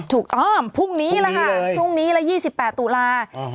ถูกพรุ่งนี้แล้วค่ะพรุ่งนี้แล้ว๒๘ตุลาคม